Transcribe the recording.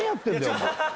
お前